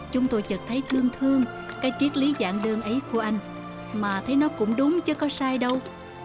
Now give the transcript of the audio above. chúng tôi chật thấy thương thương cái triết lý dạng đơn ấy của anh mà thấy nó cũng đúng chứ có sai đâu